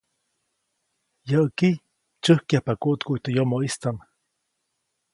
Yäʼki, tsyäjkyajpa kuʼtkuʼy teʼ yomoʼistaʼm.